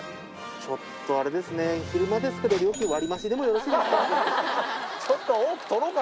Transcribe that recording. ちょっとあれですね、昼間ですけど、料金割り増しでもよろしいですか？